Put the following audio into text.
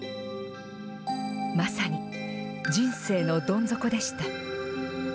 まさに人生のどん底でした。